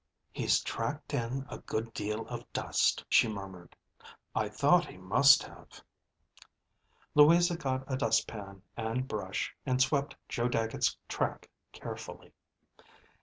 "He's tracked in a good deal of dust," she murmured. I thought he must have." Louisa got a dust pan and brush, and swept Joe Dagget's track carefully.